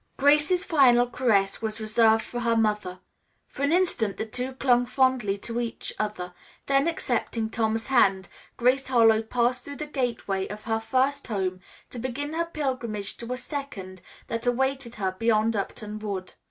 Grace's final caress was reserved for her mother. For an instant the two clung fondly to each other, then, accepting Tom's hand, Grace Harlowe passed through the gateway of her first home to begin her pilgrimage to a second that awaited her beyond Upton Wood.